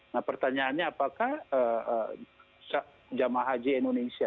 nah pertanyaannya apakah jemaah haji indonesia